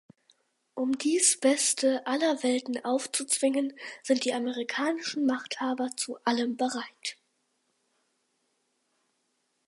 Um dies beste aller Welten aufzuzwingen, sind die amerikanischen Machthaber zu allem bereit.